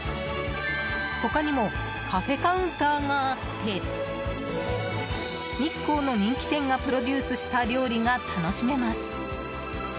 他にもカフェカウンターがあって日光の人気店がプロデュースした料理が楽しめます。